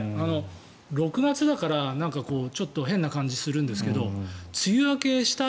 ６月だからちょっと変な感じするんですけど梅雨明けした